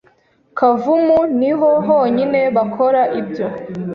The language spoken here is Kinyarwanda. Kavumu niho honyine bakora ibyo